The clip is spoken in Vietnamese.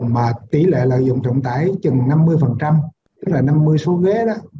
mà tỷ lệ lợi dụng trọng tải chừng năm mươi tức là năm mươi số ghế đó